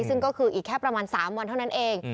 ซึ่งก็คืออีกแค่ประมาณ๓วันเท่านั้นเอง